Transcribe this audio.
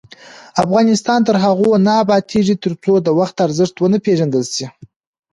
افغانستان تر هغو نه ابادیږي، ترڅو د وخت ارزښت ونه پیژندل شي.